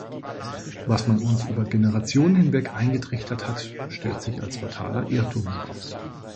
Was man uns über Generationen hinweg eingetrichtert hat, stellt sich als fataler Irrtum heraus.